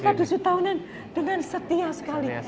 kita tujuh tahunan dengan setia sekali